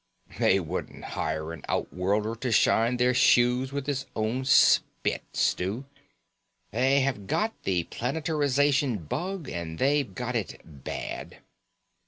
"They wouldn't hire an outworlder to shine their shoes with his own spit, Stu. They have got the planetarization bug, and they've got it bad."